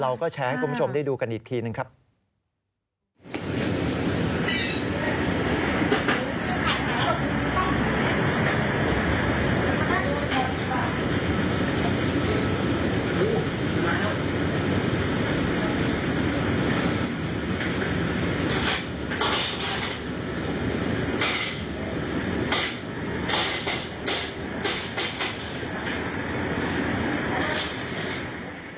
เราก็แชร์ให้คุณผู้ชมได้ดูกันอีกทีหนึ่งครับ